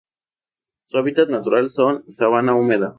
Su hábitat natural son: sabana húmeda.